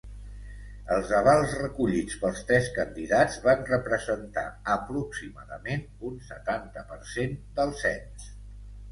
Els avals recollits pels tres candidats van representar, aproximadament, un setanta per cent del cens.